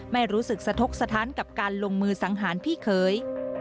ไม่รู้สึกสะทกสะท้านกับการลงมือสังหารพี่เคย